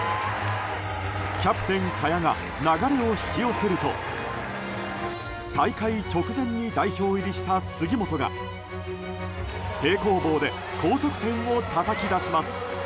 キャプテン萱が流れを引き寄せると大会直前に代表入りした杉本が平行棒で高得点をたたき出します。